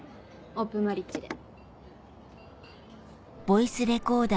オープンマリッジで。